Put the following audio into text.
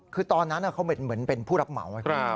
คือตอนนั้นเขาเหมือนเป็นผู้รับเหมา